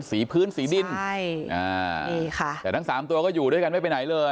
สีพื้นสีดินใช่อ่านี่ค่ะแต่ทั้งสามตัวก็อยู่ด้วยกันไม่ไปไหนเลย